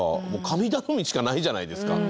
神頼みしかないじゃないですか。